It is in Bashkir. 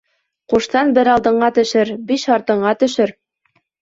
Ҡуштан бер алдыңа төшөр, биш артыңа төшөр.